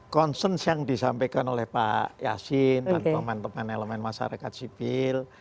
konsen yang disampaikan oleh pak yasin dan teman teman elemen masyarakat sipil